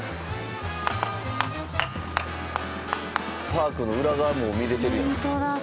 パークの裏側も見れてるやん。